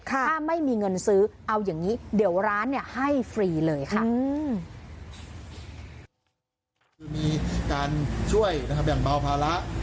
ถ้าไม่มีเงินซื้อเอาอย่างนี้เดี๋ยวร้านเนี่ยให้ฟรีเลยค่ะ